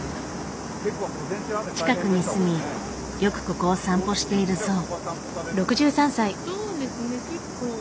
近くに住みよくここを散歩しているそう。